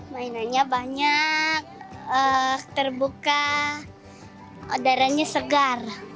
mainannya banyak terbuka udaranya segar